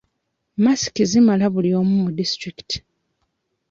Masiki zimala buli omu mu disitulikiti.